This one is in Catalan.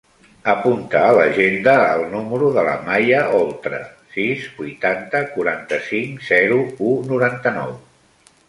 Apunta a l'agenda el número de la Maya Oltra: sis, vuitanta, quaranta-cinc, zero, u, noranta-nou.